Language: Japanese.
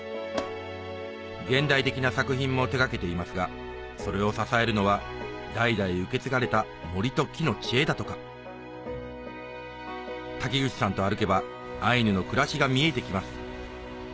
現代的な作品も手掛けていますがそれを支えるのは代々受け継がれた森と木の知恵だとか瀧口さんと歩けばアイヌの暮らしが見えてきます